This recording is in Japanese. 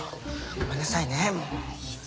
ごめんなさいねもう。